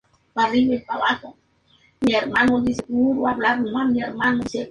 Hijo de Rodolfo Velasco y Lidia Aracely Cea Chávez.